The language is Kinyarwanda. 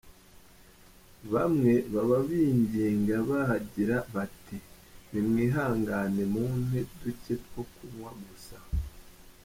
Bamwe baba binginga bagira bati “Nimwihangane mumpe duke two kunywa gusa”.